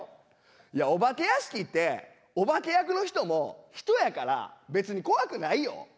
いやお化け屋敷ってお化け役の人も人やから別に怖くないよ。